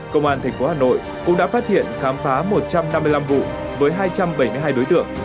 công an tp hà nội cũng đã phát hiện khám phá một trăm năm mươi năm vụ với hai trăm bảy mươi hai đối tượng